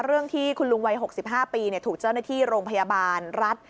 เรื่องที่คุณลุงวัย๖๕ปีถูกเจ้าหน้าที่โรงพยาบาลรัฐ